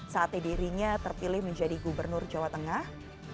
saat dirinya terpilih menjadi gubernur jawa tengah